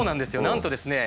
なんとですね